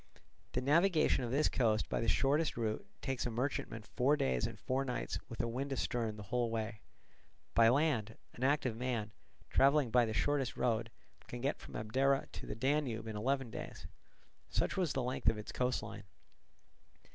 The navigation of this coast by the shortest route takes a merchantman four days and four nights with a wind astern the whole way: by land an active man, travelling by the shortest road, can get from Abdera to the Danube in eleven days. Such was the length of its coast line.